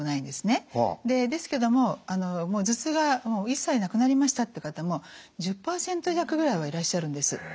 ですけども頭痛が一切なくなりましたって方も１０％弱ぐらいはいらっしゃるんです。